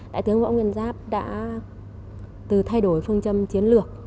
đại tướng võ nguyên giáp đã từ thay đổi phương châm chiến lược